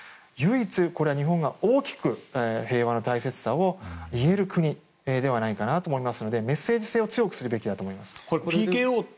唯一、日本が大きく平和の大切さを言える国ではないかと思いますのでメッセージ性を強くするべきだと思います。